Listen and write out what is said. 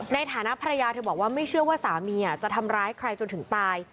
ในฐานะภรรยาเธอบอกว่าไม่เชื่อว่าสามีจะทำร้ายใครจนถึงตาย